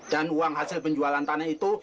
dan uang hasil penjualan tanah itu